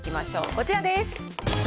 こちらです。